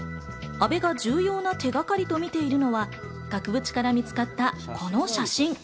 阿部が重要な手がかりと見ているのは、額縁から見つかった、この写真。